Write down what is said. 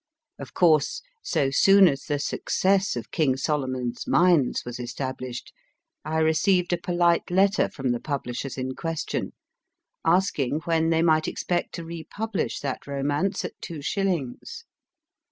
Of course, so soon as the success of King Solomon s Mines was established, I received a polite letter from the publishers in question, asking when they might expect to republish that romance at two shillings.